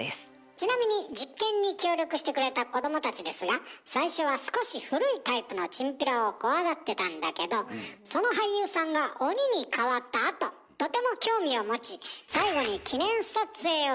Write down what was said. ちなみに実験に協力してくれた子どもたちですが最初は少し古いタイプのチンピラを怖がってたんだけどその俳優さんが鬼に変わったあととても興味を持ち最後に記念撮影をするほど仲よくなったそうです。